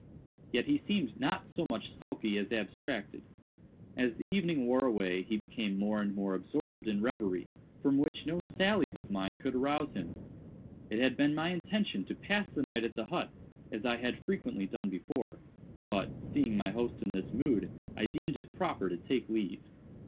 Yet he seemed not so much sulky as abstracted. As the evening wore away he became more and more absorbed in reverie, from which no sallies of mine could arouse him. It had been my intention to pass the night at the hut, as I had frequently done before, but, seeing my host in this mood, I deemed it proper to take leave.